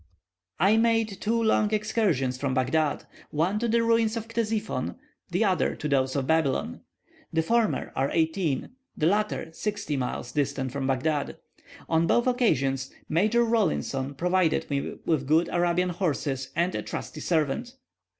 I made two long excursions from Baghdad; one to the ruins of Ctesiphon, the other to those of Babylon. The former are eighteen, the latter sixty miles distant from Baghdad. On both occasions, Major Rawlinson provided me with good Arabian horses, and a trusty servant.